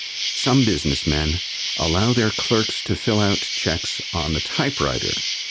Some business men allow their clerks to fill out checks on the typewriter.